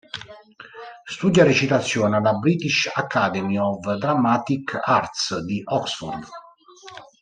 Studia recitazione alla "British Academy of Dramatic Arts" di Oxford.